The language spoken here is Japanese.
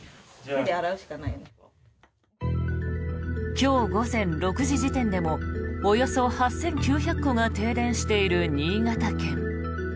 今日午前６時時点でもおよそ８９００戸が停電している新潟県。